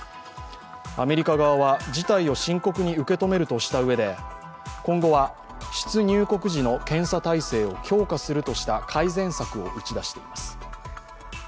アメリカ側は事態を深刻に受け止めるとしたうえで今後は出入国時の検査体制を強化するとした改善策を打ち出しています。